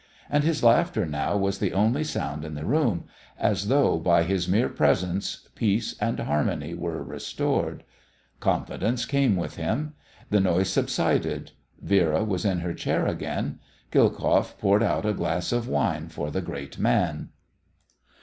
And his laughter now was the only sound in the room, as though by his mere presence peace and harmony were restored. Confidence came with him. The noise subsided; Vera was in her chair again. Khilkoff poured out a glass of wine for the great man.